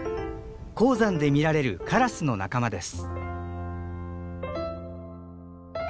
高山で見られるカラスの仲間です。